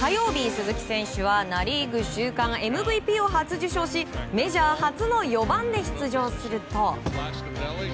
鈴木選手はナ・リーグ週間ＭＶＰを初受賞しメジャー初の４番で出場すると。